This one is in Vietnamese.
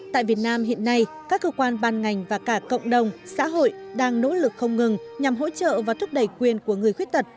tại việt nam hiện nay các cơ quan ban ngành và cả cộng đồng xã hội đang nỗ lực không ngừng nhằm hỗ trợ và thúc đẩy quyền của người khuyết tật